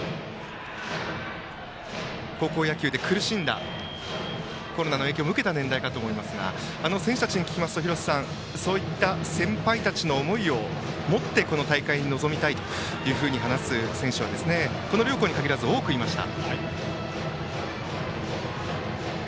高校野球で苦しんだコロナの影響も受けた年代かもしれませんが選手たちに聞きますとそういった先輩たちの思いを持ってこの大会に臨みたいと話す選手たちがこの両校に限らず多くいました。